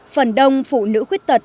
phần đông phụ nữ khuyết tật